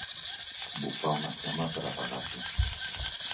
Bufar una flama per apagar-la.